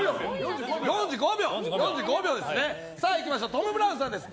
トム・ブラウンさんです。